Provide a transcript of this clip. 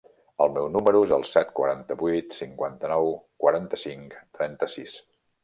El meu número es el set, quaranta-vuit, cinquanta-nou, quaranta-cinc, trenta-sis.